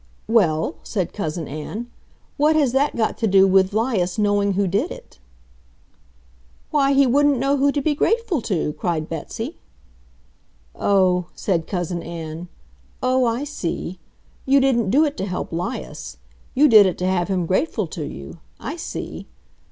"Well," said Cousin Ann, "what has that got to do with 'Lias knowing who did it?" "Why, he wouldn't know who to be grateful to," cried Betsy. "Oh," said Cousin Ann. "Oh, I see. You didn't do it to help 'Lias. You did it to have him grateful to you. I see.